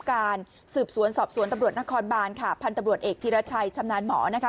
การสืบสวนสอบสวนตำรวจนครบานค่ะพันธุ์ตำรวจเอกธิรชัยชำนาญหมอนะคะ